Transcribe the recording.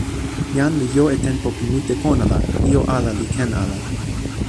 jan li jo e tenpo pi mute pona la, ijo ala li ken ala.